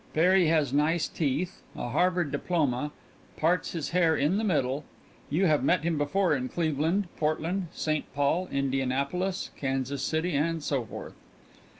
Perry has nice teeth, a Harvard diploma, parts his hair in the middle. You have met him before in Cleveland, Portland, St. Paul, Indianapolis, Kansas City, and so forth.